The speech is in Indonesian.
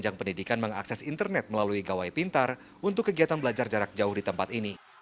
ajang pendidikan mengakses internet melalui gawai pintar untuk kegiatan belajar jarak jauh di tempat ini